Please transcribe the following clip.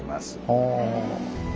へえ。